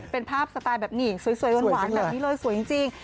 เป็นภาพสไตล์แบบนี้สวยหวานแบบนี้เลยสวยจริง